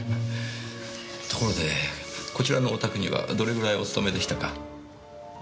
ところでこちらのお宅にはどれぐらいお勤めでしたか？